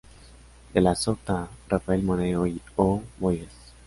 De la Sota, Rafael Moneo y O. Bohigas.